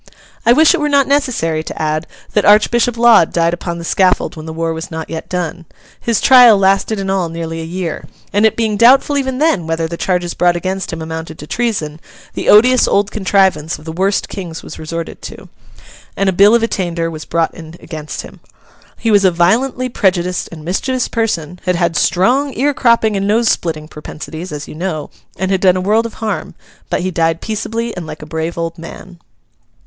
I wish it were not necessary to add that Archbishop Laud died upon the scaffold when the war was not yet done. His trial lasted in all nearly a year, and, it being doubtful even then whether the charges brought against him amounted to treason, the odious old contrivance of the worst kings was resorted to, and a bill of attainder was brought in against him. He was a violently prejudiced and mischievous person; had had strong ear cropping and nose splitting propensities, as you know; and had done a world of harm. But he died peaceably, and like a brave old man.